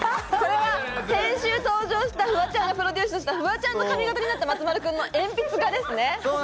それは先週、登場した、フワちゃんがプロデュースした、フワちゃんの髪形になった松丸君の鉛筆画ですね。